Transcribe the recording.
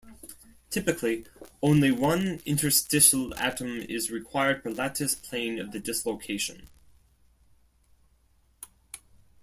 Typically only one interstitial atom is required per lattice plane of the dislocation.